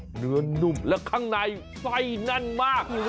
เนื้อนุ่มและข้างในไฟนั่นมาก